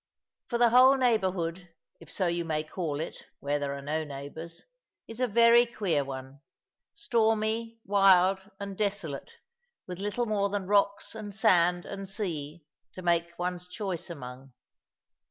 For the whole neighbourhood if so you may call it, where there are no neighbours is a very queer one stormy, wild, and desolate, with little more than rocks and sand and sea to make one's choice among.